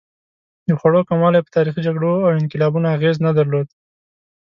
د خوړو کموالی په تاریخي جګړو او انقلابونو اغېز نه درلود.